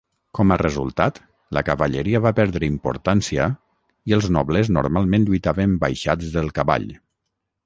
Com a resultat, la cavalleria va perdre importància i els nobles normalment lluitaven baixats del cavall.